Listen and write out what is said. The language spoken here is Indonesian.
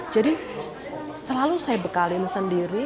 jadi selalu saya bekalin sendiri